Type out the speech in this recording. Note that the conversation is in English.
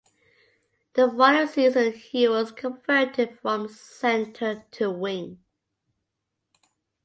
The following season, he was converted from centre to wing.